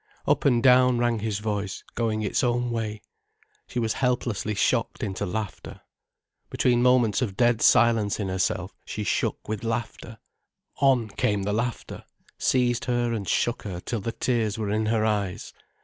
Up and down rang his voice, going its own way. She was helplessly shocked into laughter. Between moments of dead silence in herself she shook with laughter. On came the laughter, seized her and shook her till the tears were in her eyes.